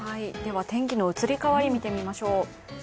天気の移り変わり、見てみましょう。